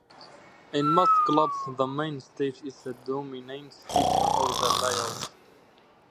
In most clubs the main stage is a dominant feature of the layout.